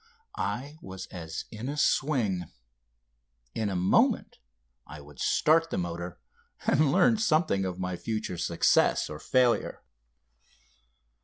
I was as in a swing. In a moment I would start the motor and learn something of my future success or failure.